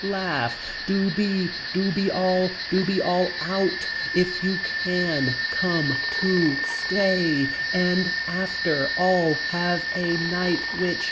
Laugh. Do be. Do be all. Do be all out. If you can. Come. To stay. And. After. All. Have. A. Night. Which.